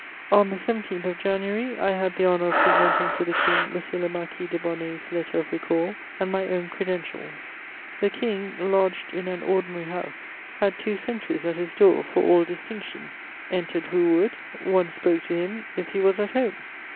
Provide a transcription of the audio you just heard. [Sidenote: Ambassador to Prussia.] On the 17th of January, I had the honour of presenting to the King M. le Marquis de Bonnay's letter of recall and my own credentials. The King, lodged in an ordinary house, had two sentries at his door for all distinction: entered who would; one spoke to him "if he was at home."